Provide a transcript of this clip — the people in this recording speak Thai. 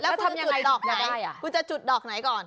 แล้วคุณจะจุดดอกไหนก่อน